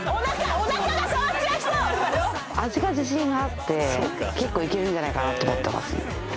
味が自信があって結構いけるんじゃないかなと思ってます